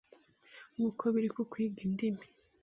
Nk’uko biri ku kwiga indimi